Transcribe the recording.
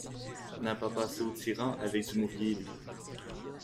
N'a pas passé aux tyrans, avec Dumouriez, lui!